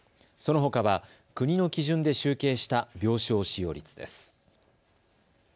そのほかは国の基準で集計した病床使用率です。